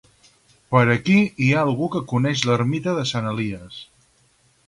Per aquí hi ha algú que coneix l'ermita de Sant Elies